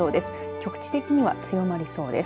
局地的には強まりそうです。